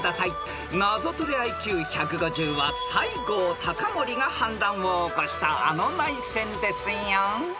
［ナゾトレＩＱ１５０は西郷隆盛が反乱を起こしたあの内戦ですよ］